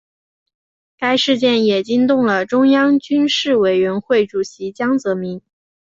该事件也惊动了中央军事委员会主席江泽民。